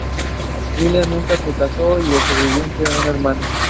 Williams nunca se casó, y le sobrevivió un hermano.